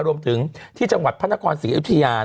รวมถึงที่จังหวัดพระนครศรีอยุธยา